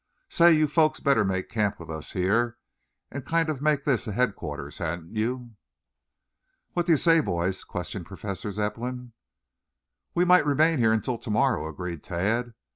"Say, you folks better make camp here with us and kind of make this a headquarters, hadn't you?" "What do you say, boys?" questioned Professor Zepplin. "We might remain here until tomorrow," agreed Tad.